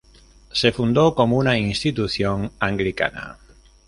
Se fundó como una institución anglicana.